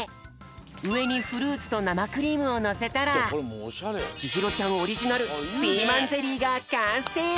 うえにフルーツとなまクリームをのせたらちひろちゃんオリジナルピーマンゼリーがかんせい！